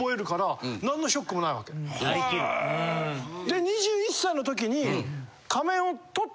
で２１歳の時に。